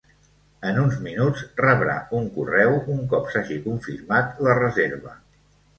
En uns minuts rebrà un correu un cop s'hagi confirmat la reserva.